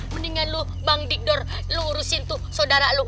mendingan lu bang dikdor lu urusin tuh sodara lu